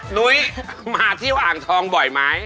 นุ้ยมาที่อ่างทองบ่อยไหม